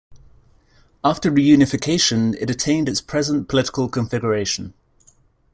After reunification it attained its present political configuration.